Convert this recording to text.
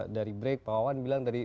dari break pak wawan bilang dari